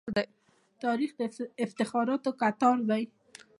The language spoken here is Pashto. تاریخ د افتخارو کتار دی.